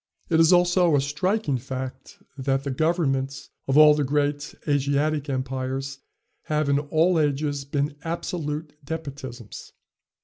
It is also a striking fact that the governments of all the great Asiatic empires have in all ages been absolute despotisms.